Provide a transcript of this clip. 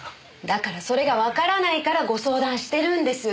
だからそれがわからないからご相談してるんです。